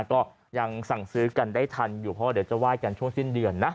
ก็ยังสั่งซื้อกันได้ทันอยู่เพราะว่าเดี๋ยวจะไห้กันช่วงสิ้นเดือนนะ